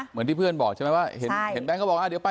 เหมือนที่เพื่อนบอกใช่ไหมว่าเห็นแก๊งเขาบอกเดี๋ยวไป